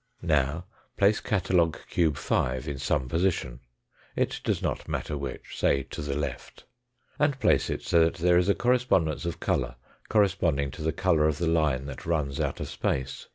Now place catalogue cube 5 in some position, it does not matter which, say to the left ; and place it so that there is a correspondence of colour corresponding to the colour of the line that runs out of space.